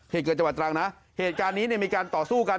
เหตุเกิดจังหวัดตรังนะเหตุการณ์นี้เนี่ยมีการต่อสู้กัน